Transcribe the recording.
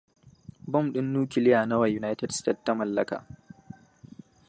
Bom ɗin nukiliya nawa United State ta mallaka?